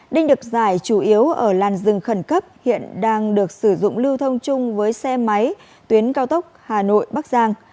đinh được giải chủ yếu ở làn rừng khẩn cấp hiện đang được sử dụng lưu thông chung với xe máy tuyến cao tốc hà nội bắc giang